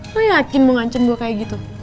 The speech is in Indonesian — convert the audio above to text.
lu yakin mau ancen gua kayak gitu